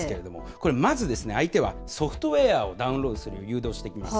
これ、まずですね、相手はソフトウエアをダウンロードするように誘導してきます。